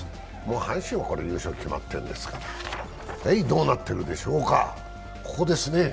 阪神は優勝決まっているんですから、どうなっているんでしょうか。